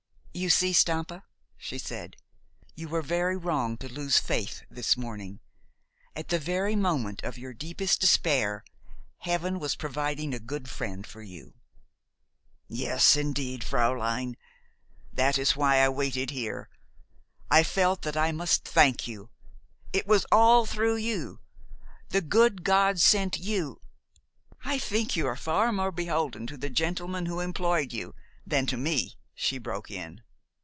"You see, Stampa," she said, "you were very wrong to lose faith this morning. At the very moment of your deepest despair Heaven was providing a good friend for you." "Yes, indeed, fräulein. That is why I waited here. I felt that I must thank you. It was all through you. The good God sent you " "I think you are far more beholden to the gentleman who employed you than to me," she broke in.